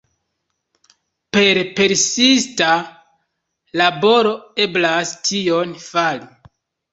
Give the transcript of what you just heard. Per persista laboro eblas tion fari.